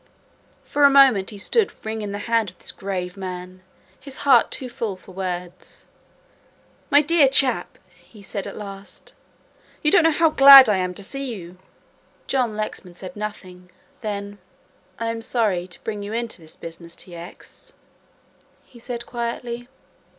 For a moment he stood wringing the hand of this grave man, his heart too full for words. "My dear chap!" he said at last, "you don't know how glad I am to see you." John Lexman said nothing, then, "I am sorry to bring you into this business, T. X.," he said quietly.